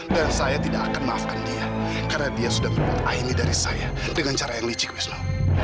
dan saya tidak akan maafkan dia karena dia sudah membuat ahimi dari saya dengan cara yang licik wisnu